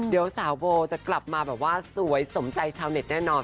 เดี๋ยวสาวโบจะกลับมาแบบว่าสวยสมใจชาวเน็ตแน่นอน